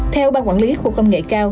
theo ban quản lý khu công nghệ cao